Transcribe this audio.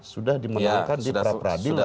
sudah dimenangkan di peradilan